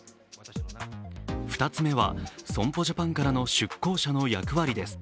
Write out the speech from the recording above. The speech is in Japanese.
２つ目は損保ジャパンからの出向者の役割です。